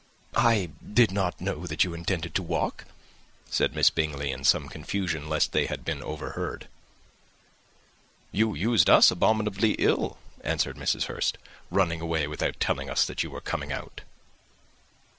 "I did not know that you intended to walk," said Miss Bingley, in some confusion, lest they had been overheard. "You used us abominably ill," answered Mrs. Hurst, "running away without telling us that you were coming out."